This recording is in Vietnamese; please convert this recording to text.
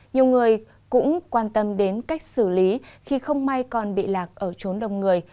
nhiều người cũng quan tâm đến cách xử lý khi không may con bị lạc ở chốn đông người